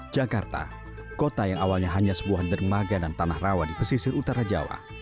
jakarta kota yang awalnya hanya sebuah dermaga dan tanah rawa di pesisir utara jawa